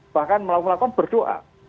bahkan melakukan berdoa